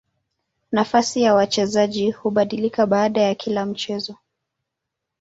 Nafasi ya wachezaji hubadilika baada ya kila mchezo.